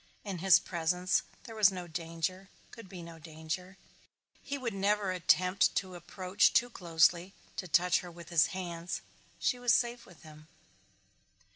In his presence there was no danger, could be no danger. He would never attempt to approach too closely, to touch her with his hands. She was safe with him.